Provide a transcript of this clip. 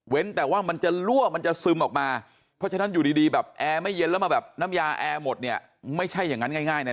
แต่ว่ามันจะลั่วมันจะซึมออกมาเพราะฉะนั้นอยู่ดีแบบแอร์ไม่เย็นแล้วมาแบบน้ำยาแอร์หมดเนี่ยไม่ใช่อย่างนั้นง่ายนะ